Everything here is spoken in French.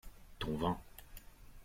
Ton vin.